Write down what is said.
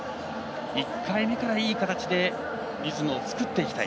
１回目からいい形でリズムを作っていきたい。